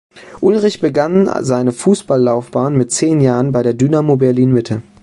Ullrich begann seine Fußball-Laufbahn mit zehn Jahren bei der Dynamo Berlin-Mitte.